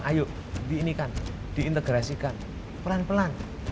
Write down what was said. ayo diintegrasikan pelan pelan